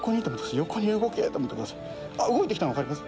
動いて来たの分かります？